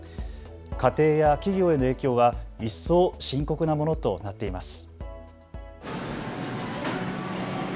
家庭や企業への影響は一層深刻なものとなっています。